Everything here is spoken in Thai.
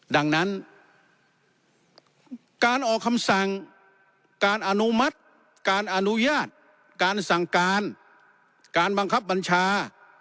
ดังนั้นการออกคำสั่งการอนุมัติการอนุญาตการสั่งการการบังคับบัญชา